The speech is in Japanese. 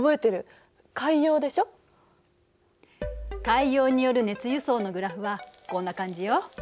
海洋による熱輸送のグラフはこんな感じよ。